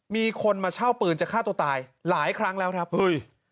มีคนมาเช่าปืนจะฆ่าตัวตายหลายครั้งแล้วครับเฮ้ย